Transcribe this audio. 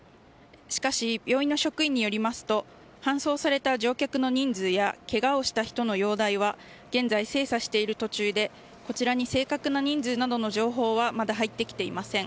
しかし、病院の職員によりますと搬送された乗客の人数やけがをした人の容体は現在、精査している途中でこちらに正確な人数などの情報はまだ入ってきておりません。